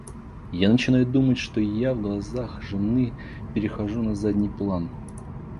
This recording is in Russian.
Я начинаю думать, что я, в глазах жены, перехожу на задний план.